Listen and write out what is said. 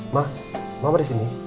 ma mama disini